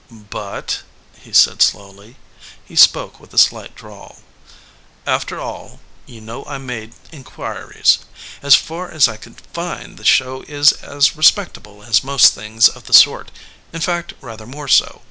"But," he said, slowly he spoke with a slight drawl "after all, you know I made inquiries. As far as I could find, the show is as respectable as most things of the sort; in fact, rather more so.